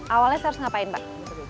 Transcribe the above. awalnya saya harus ngapain pak